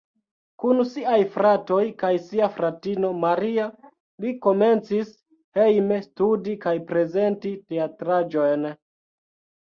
Kun siaj fratoj kaj sia fratino Maria li komencis hejme studi kaj prezenti teatraĵojn.